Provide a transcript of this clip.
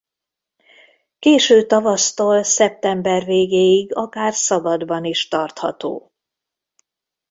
Késő tavasztól szeptember végéig akár szabadban is tartható.